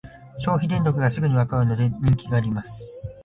消費電力がすぐにわかるので人気があります